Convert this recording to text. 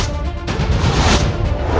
saferul azim awas